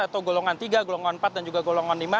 atau golongan tiga golongan empat dan juga golongan lima